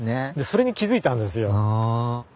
それに気付いたんですよ。